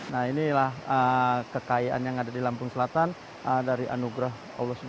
nah inilah kekayaan yang ada di lampung selatan dari anugerah allah swt